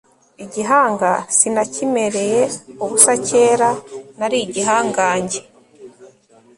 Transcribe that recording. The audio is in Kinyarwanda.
igihanga sinakimereye ubusa kera nari igihangange